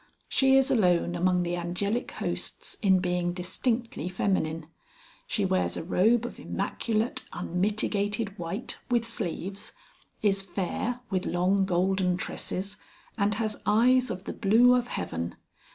She is alone among the angelic hosts in being distinctly feminine: she wears a robe of immaculate, unmitigated white with sleeves, is fair, with long golden tresses, and has eyes of the blue of Heaven.